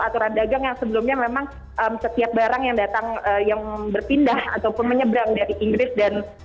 aturan dagang yang sebelumnya memang setiap barang yang datang yang berpindah ataupun menyeberang dari inggris dan